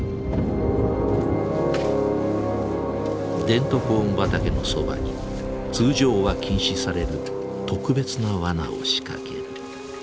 デントコーン畑のそばに通常は禁止される特別なワナを仕掛ける。